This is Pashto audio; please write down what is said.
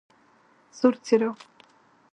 سور څراغ: